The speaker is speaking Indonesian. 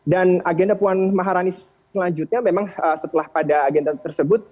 agenda puan maharani selanjutnya memang setelah pada agenda tersebut